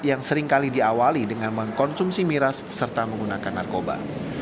yang seringkali diawali dengan mengkonsumsi miras serta menggunakan narkoba